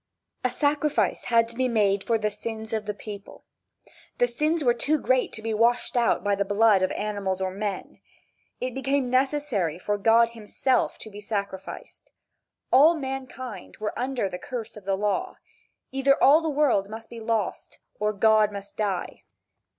A sacrifice had to be made for the sins of the people. The sins were too great to be washed out by the blood of animals or men. It became necessary for. God himself to be sacrificed. All mankind were under the curse of the law. Either all the world must be lost or God must die.